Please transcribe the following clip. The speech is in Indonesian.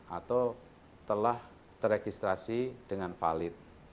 atau telah teregistrasi dengan valid